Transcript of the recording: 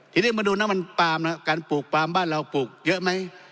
ทีนี้มาดูนะมันปามนะการปลูกปลามบ้านเราปลูกเยอะไหม